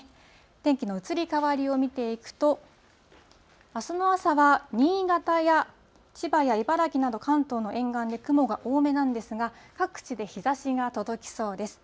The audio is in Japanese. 天気の移り変わりを見ていくと、あすの朝は、新潟や千葉や茨城など、関東の沿岸で雲が多めなんですが、各地で日ざしが届きそうです。